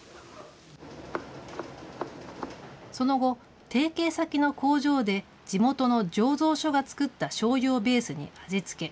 その後、提携先の工場で地元の醸造所が作ったしょうゆをベースに味付け。